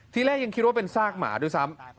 ที่แรกยังคิดว่ามันเป็นสากหมาดูซ้ำ